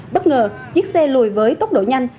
bất ngờ chiếc xe lùi với tốc độ nhanh